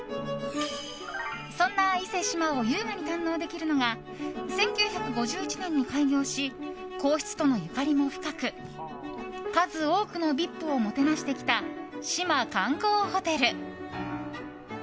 そんな伊勢志摩を優雅に堪能できるのが１９５１年に開業し皇室とのゆかりも深く数多くのＶＩＰをもてなしてきた志摩観光ホテル。